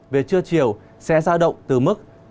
về trưa chiều sẽ ra động từ mức hai mươi chín ba mươi hai độ